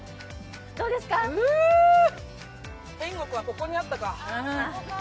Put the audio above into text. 天国はここにあったか。